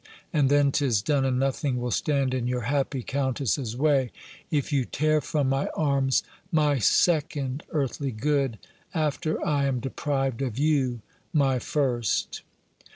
and then 'tis done, and nothing will stand in your happy Countess's way, if you tear from my arms my second earthly good, after I am deprived of you, my first.